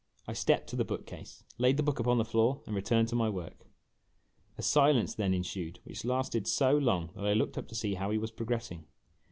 I stepped to the book case, laid the book upon the floor, and returned to my work. A silence then ensued, which lasted so long that I looked up to see how he was progressing.